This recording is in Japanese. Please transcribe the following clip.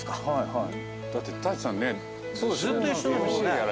はい。